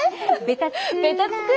ベタつく。